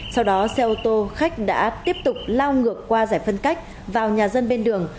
sau đó xe ô tô khách đã tiếp tục lao ngược qua giải phân cách vào nhà dân bên đường